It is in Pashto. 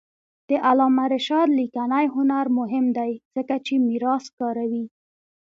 د علامه رشاد لیکنی هنر مهم دی ځکه چې میراث کاروي.